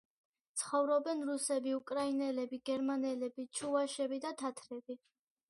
ცხოვრობენ რუსები, უკრაინელები, გერმანელები, ჩუვაშები და თათრები.